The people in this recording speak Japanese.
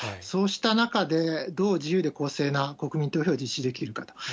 そうした中で、どう自由で公正な国民投票を実施できるかと。